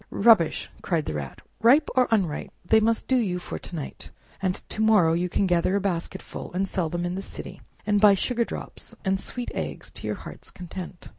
"Rubbish!" cried the Rat; "ripe or unripe, they must do you for to night, and to morrow you can gather a basketful, sell them in the city, and buy sugar drops and sweet eggs to your heart's content!"